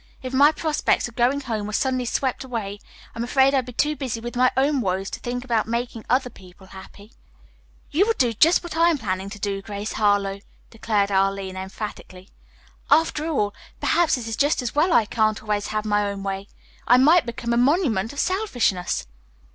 If my prospects of going home were suddenly swept away, I'm afraid I'd be too busy with my own woes to think about making other people happy." "You would do just what I am planning to do, Grace Harlowe," declared Arline emphatically. "After all, perhaps it is just as well I can't always have my own way. I might become a monument of selfishness."